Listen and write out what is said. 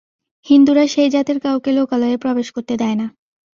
হিন্দুরা সেই জাতের কাউকে লোকালয়েই প্রবেশ করতে দেয় না।